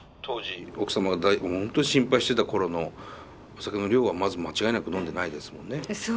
当時奥様が本当に心配してた頃のお酒の量はまず間違いなく飲んでないですもんね？